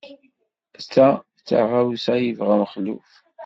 Ta d taɣawsa ay yebɣa Mexluf.